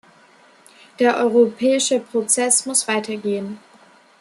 Der europäische Prozess muss weitergehen.